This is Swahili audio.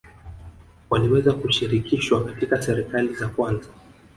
Waliweza kushirikishwa katika serikali za kwanza